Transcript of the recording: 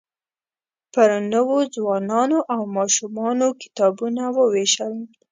پر نوو ځوانانو او ماشومانو کتابونه ووېشل.